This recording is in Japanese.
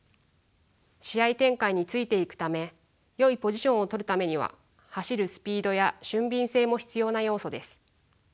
試合展開についていくためよいポジションを取るためには走るスピードや俊敏性も必要な要素です。